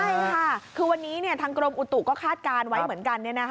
ใช่ค่ะคือวันนี้ทางกรมอุตุก็คาดการณ์ไว้เหมือนกัน